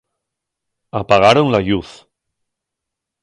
Apagaron la lluz.